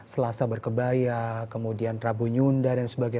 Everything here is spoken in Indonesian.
selasa berkebaya kemudian rabu nyunda dan sebagainya